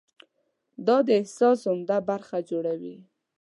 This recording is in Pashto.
دا د احساس عمده برخه جوړوي.